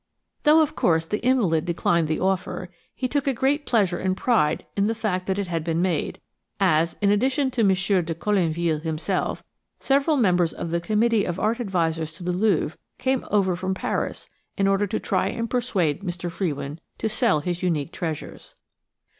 Though, of course, the invalid declined the offer, he took a great pleasure and pride in the fact that it had been made, as, in addition to Monsieur de Colinville himself, several members of the committee of art advisers to the Louvre came over from Paris in order to try and persuade Mr. Frewin to sell his unique treasures.